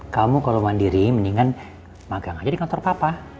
kamu kalau mandiri mendingan magang aja di kantor papa